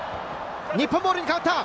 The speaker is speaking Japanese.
日本ボールに変わった。